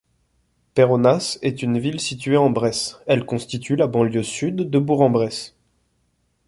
Péronnas est une ville situé en Bresse, elle constitue la banlieue sud de Bourg-en-Bresse.